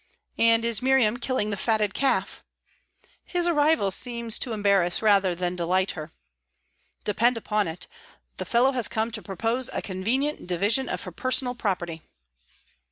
"And is Miriam killing the fatted calf?" "His arrival seems to embarrass rather than delight her." "Depend upon it, the fellow has come to propose a convenient division of her personal property."